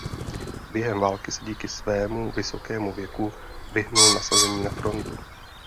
Během války se díky svému vysokému věku vyhnul nasazení na frontu.